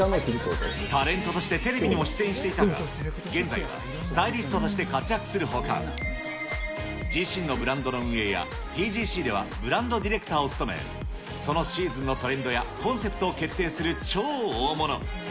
タレントとしてテレビにも出演していたが、現在はスタイリストとして活躍するほか、自身のブランドの運営や、ＴＧＣではブランドディレクターを務め、そのシーズンのトレンドやコンセプトを決定する超大物。